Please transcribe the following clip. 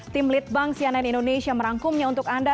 tim litbang cnn indonesia merangkumnya untuk anda